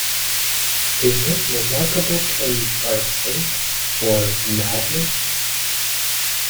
His most remarkable plays are Saint or Madman?